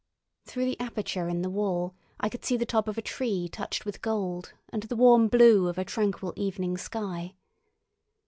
Through the aperture in the wall I could see the top of a tree touched with gold and the warm blue of a tranquil evening sky.